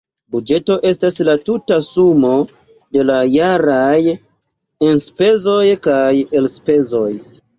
Buĝeto estas la tuta sumo de la jaraj enspezoj kaj elspezoj.